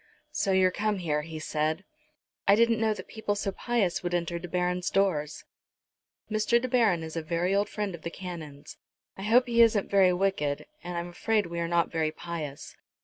"So you're come here," he said. "I didn't know that people so pious would enter De Baron's doors." "Mr. De Baron is a very old friend of the Canon's. I hope he isn't very wicked, and I'm afraid we are not very pious."